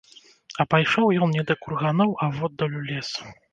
А пайшоў ён не да курганоў, а воддаль у лес.